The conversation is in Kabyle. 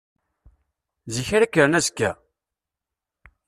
Zik ara kkren azekka?